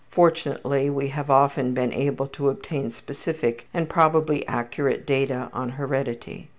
Fortunately we have often been able to obtain specific and probably accurate data on heredity.